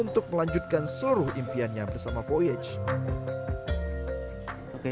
untuk melanjutkan seluruh impiannya bersama voyage